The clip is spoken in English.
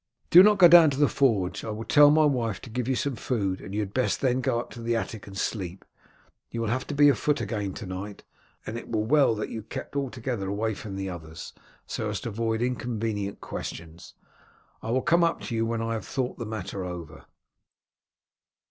Do not go down to the forge, I will tell my wife to give you some food, and you had best then go up to the attic and sleep. You will have to be afoot again to night, and it were well that you kept altogether away from the others, so as to avoid inconvenient questions. I will come up to you when I have thought the matter over."